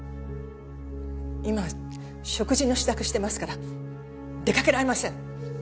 今食事の支度してますから出かけられません！